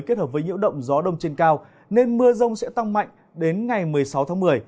kết hợp với nhiễu động gió đông trên cao nên mưa rông sẽ tăng mạnh đến ngày một mươi sáu tháng một mươi